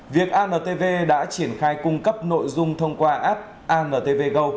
việc antv đã triển khai cung cấp nội dung thông qua app antv go